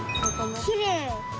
きれい！